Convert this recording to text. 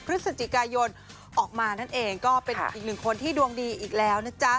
พฤศจิกายนออกมานั่นเองก็เป็นอีกหนึ่งคนที่ดวงดีอีกแล้วนะจ๊ะ